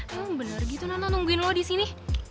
emang bener gitu nathan nungguin lo di sini